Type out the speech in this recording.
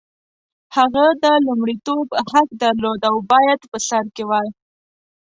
هغه د لومړیتوب حق درلود او باید په سر کې وای.